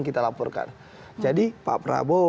kita laporkan jadi pak prabowo